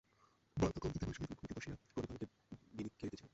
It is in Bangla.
মা তখন দিদিমার সহিত মুখোমুখি বসিয়া প্রদীপালোকে বিন্তি খেলিতেছিলেন।